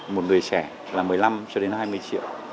một người trẻ là một mươi năm cho đến hai mươi triệu